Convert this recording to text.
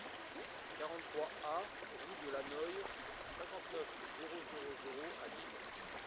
quarante-trois A rUE DE LANNOY, cinquante-neuf, zéro zéro zéro à Lille